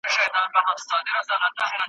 چي ناڅاپه د شاهین د منګول ښکار سو `